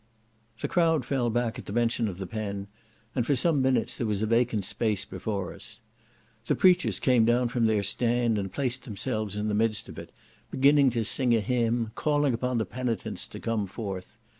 The crowd fell back at the mention of the pen, and for some minutes there was a vacant space before us. The preachers came down from their stand and placed themselves in the midst of it, beginning to sing a hymn, calling upon the penitents to come forth.